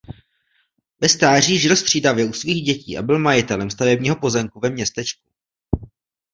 Ve stáří žil střídavě u svých dětí a byl majitelem stavebního pozemku ve městečku.